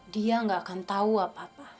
dia gak akan tahu apa apa